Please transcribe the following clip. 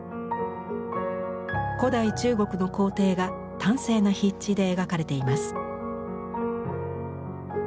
古代中国の皇帝が端正な筆致で描かれています。